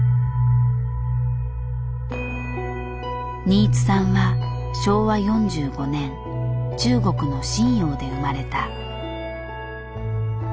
新津さんは昭和４５年中国の瀋陽で生まれた。